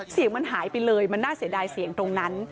เสียงมันหายไปเลยมันน่าเสียดายเสียงตรงนั้น